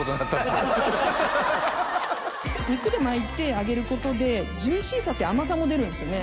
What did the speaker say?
肉で巻いて揚げることでジューシーさと甘さも出るんですよね。